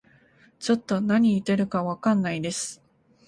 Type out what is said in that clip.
ちょっと何言ってるかわかんないです